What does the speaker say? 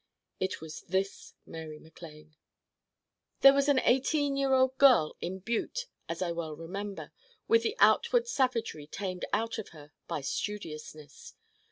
It was this Mary MacLane. There was an eighteen year old girl in this Butte, as I well remember, with the outward savagery tamed out of her by studiousness.